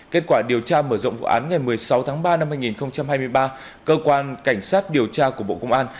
kết quả điều tra mở rộng vụ án ngày một mươi sáu tháng ba năm hai nghìn hai mươi ba cơ quan cảnh sát điều tra của bộ công an